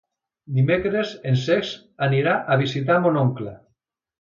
Dimecres en Cesc anirà a visitar mon oncle.